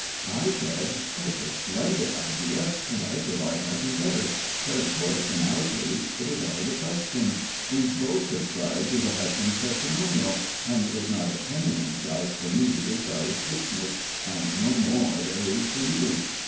I said: "It's a splendid idea, and I should like nothing better; but, of course, in our case, it is out of the question. We've both subscribed to the Hutchings' testimonial, and there's not a penny in sight for me this side of Christmas, and no more there is for you."